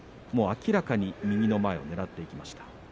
明らかに右の前まわしをねらっていきました。